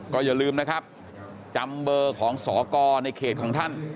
ก็อย่าลืมนะครับจำเบอร์ของสกในเขตของท่าน